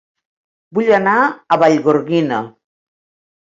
Vull anar a Vallgorguina